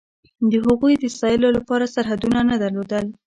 د هغوی د ستایلو لپاره سرحدونه نه درلودل.